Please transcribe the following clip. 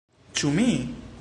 Ĉu mi?!